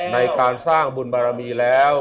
ในการสร้างบุญบารมีแล้ว